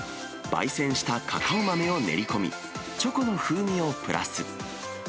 ばい煎したカカオ豆を練り込み、チョコの風味をプラス。